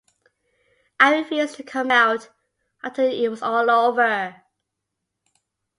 I refused to come out until it was all over.